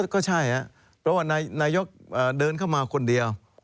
ก็ใช่ครับเพราะว่านายกเดินเข้ามาคนเดียว